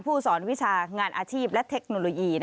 ผู้สอนวิชางานอาชีพและเทคโนโลยี